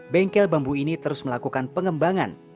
bengkel bambu ini terus melakukan pengembangan